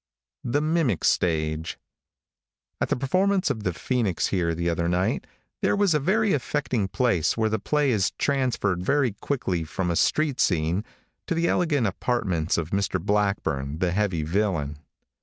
THE MIMIC STAGE. |AT the performance of "The Phoenix" here, the other night, there was a very affecting place where the play is transferred very quickly from a street scene to the elegant apartments of Mr. Blackburn, the heavy villain.